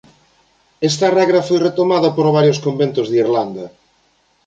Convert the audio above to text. Esta regra foi retomada por varios conventos de Irlanda.